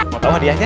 mau tau hadiahnya